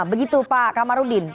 begitu pak kamarudin